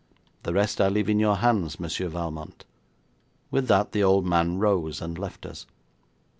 The rest I leave in your hands, Monsieur Valmont.' With that the old man rose and left us.